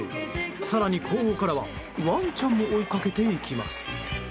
更に後方からは、ワンちゃんも追いかけていきます。